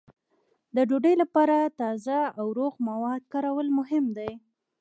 د ډوډۍ لپاره تازه او روغ مواد کارول مهم دي.